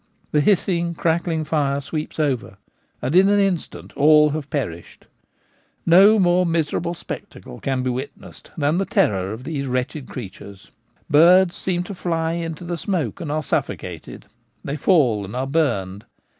The hissing, crackling fire sweeps over, and in an instant all have perished. No more miserable spectacle can be witnessed than the terror of these wretched crea tures. Birds seem to fly into the smoke and are suffocated — they fall and are burned.